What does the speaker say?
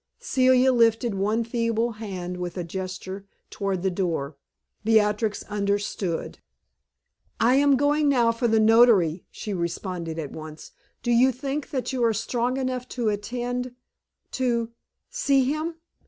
Celia lifted one feeble hand with a gesture toward the door. Beatrix understood. "I am going now for the notary," she responded at once. "Do you think that you are strong enough to attend to see him?"